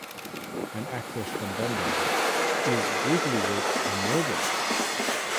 An actress from Bengal is brutally raped and murdered.